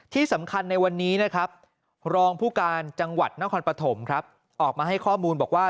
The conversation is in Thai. ที่สำคัญในวันนี้นะครับรองผู้การจังหวัดนครปฐมครับออกมาให้ข้อมูลบอกว่า